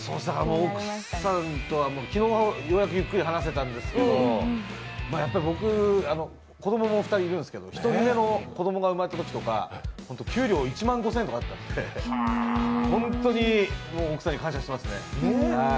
奥さんとは昨日ようやくゆっくり話せたんですけど、やっぱり僕、子供も２人いるんですけど、１人目の子供が生まれたときとか給料１万５０００円とかだったんで、本当に奥さんに感謝してますね